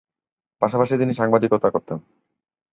পাশাপাশি তিনি সাংবাদিকতা করতেন।